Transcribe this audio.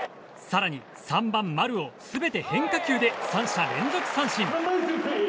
更に３番、丸を全て変化球で３者連続三振。